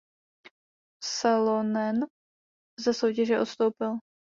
Salonen ze soutěže odstoupil.